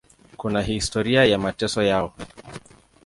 Kuna historia ya mateso yao.